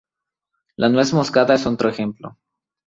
La nuez moscada es otro ejemplo.